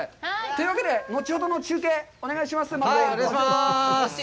というわけで、後ほどの中継、お願いします。